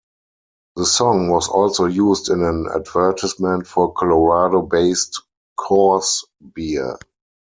The song was also used in an advertisement for Colorado-based Coors beer.